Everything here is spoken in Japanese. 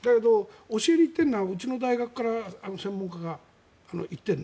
教えに行っているのはうちの大学の専門家が言ってる。